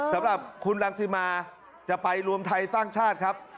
สำหรับคุณรังสิมาจะไปรวมไทยสร้างชาติครับ